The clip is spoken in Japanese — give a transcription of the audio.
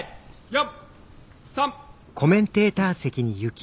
４３。